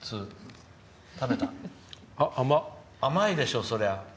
甘いでしょ、そりゃ。